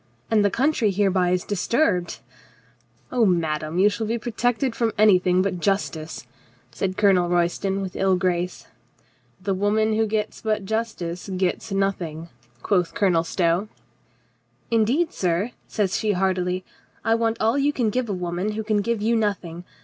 "— and the country hereby is disturbed —" "Oh, madame, you shall be protected from any thing but justice," said Colonel Royston with ill grace. "The woman who gets but justice gets nothing," quoth Colonel Stow. "Indeed, sir," says she heartily, "I want all you can give a woman who can give you nothing.